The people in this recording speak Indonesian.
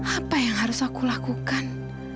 apa yang harus aku lakukan